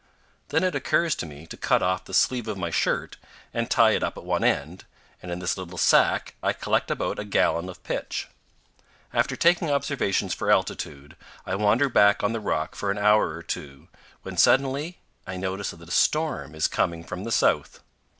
Then it occurs to me to cut off the sleeve of my shirt and tie it up at one end, and in this little sack I collect about a gallon of pitch. After taking observations for altitude, I wander back on the rock for an hour or two, when suddenly I notice that a storm is coming from the south.